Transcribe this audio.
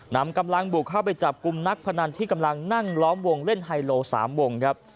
นำกำลังบุกเข้าไปจับกลุ่มนักพนันที่กำลังนั่งล้อมวงเล่นไฮโล๓วงครับ